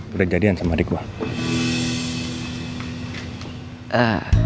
kejadian sama adik lo